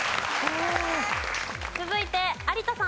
続いて有田さん。